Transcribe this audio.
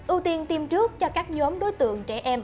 ưu tiên tiêm trước cho các nhóm đối tượng trẻ em